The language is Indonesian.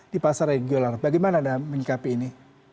di pasar regular bagaimana anda menyikapi ini